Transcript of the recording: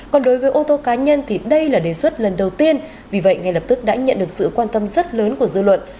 còn đối với ô tô cá nhân thì đây là đề xuất lần đầu tiên vì vậy ngay lập tức đã nhận được sự quan tâm rất lớn của dư luận